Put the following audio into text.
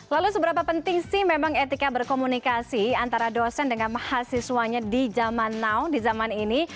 lalu seberapa penting sih memang etika berkomunikasi antara dosen dengan mahasiswanya di zaman now di zaman ini